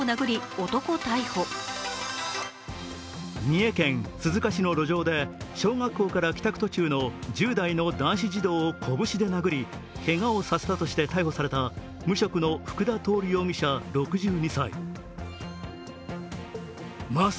三重県鈴鹿市の路上で小学校から帰宅途中の１０代の男子児童を拳で殴りけがをさせたとして逮捕された無職の福田亨容疑者６２歳。